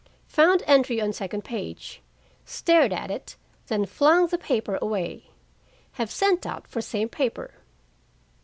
Found entry on second page, stared at it, then flung the paper away. Have sent out for same paper.